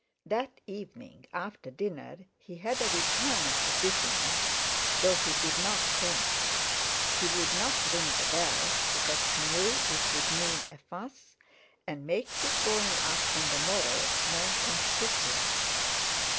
That evening after dinner he had a return of the dizziness, though he did not faint. He would not ring the bell, because he knew it would mean a fuss, and make his going up on the morrow more conspicuous.